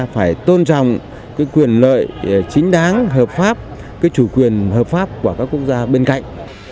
phải tôn trọng quyền lợi chính đáng hợp pháp chủ quyền hợp pháp của các quốc gia bên cạnh